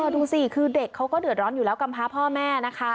ดูสิคือเด็กเขาก็เดือดร้อนอยู่แล้วกำพาพ่อแม่นะคะ